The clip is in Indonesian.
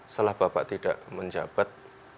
setelah bapak tidak menjabat